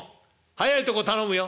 早いとこ頼むよ」